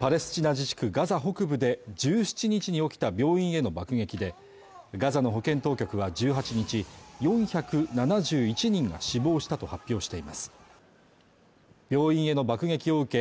パレスチナ自治区ガザ北部で１７日に起きた病院への爆撃でガザの保健当局は１８日４７１人が死亡したと発表しています病院への爆撃を受け